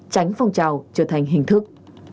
tránh phong trào trở thành hình thức